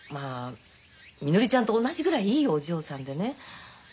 みのりちゃんと同じぐらいいいお嬢さんでね。